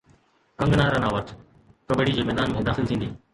ڪنگنا رناوت ڪبڊي جي ميدان ۾ داخل ٿيندي